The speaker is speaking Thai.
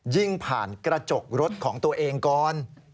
ผ่านกระจกรถของตัวเองก่อน